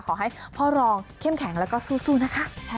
ขอให้พ่อรองเข้มแข็งแล้วก็สู้นะคะ